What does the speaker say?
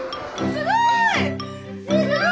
すごい！